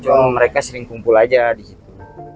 cuma mereka sering kumpul aja di situ